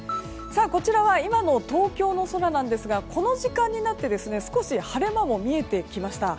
こちらは今の東京の空なんですがこの時間になって少し晴れ間も見えてきました。